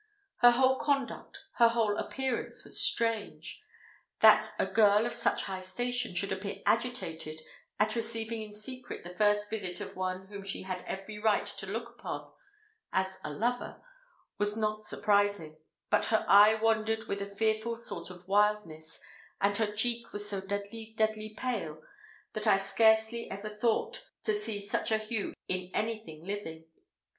Her whole conduct, her whole appearance was strange. That a girl of such high station should appear agitated at receiving in secret the first visit of one whom she had every right to look upon as a lover, was not surprising; but her eye wandered with a fearful sort of wildness, and her cheek was so deadly, deadly pale, that I scarcely ever thought to see such a hue in anything living.